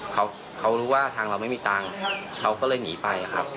เขาเขารู้ว่าทางเราไม่มีตังค์เขาก็เลยหนีไปครับ